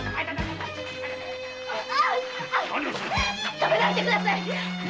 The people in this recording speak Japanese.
止めないでください！